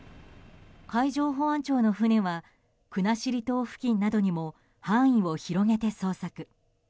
海上保安庁の船は国後島付近などにも範囲を広げて捜索。